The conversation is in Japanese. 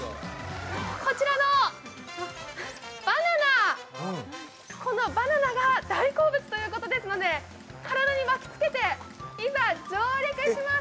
こちらのバナナ、このバナナが大好物ということですので体に巻きつけて、いざ、上陸します。